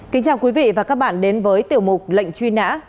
kính chào quý vị và các bạn đến với tiểu mục lệnh truy nã